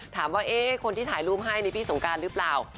ถามว่าคนที่ถ่ายรูปให้นี่พี่สงการหรือเปล่า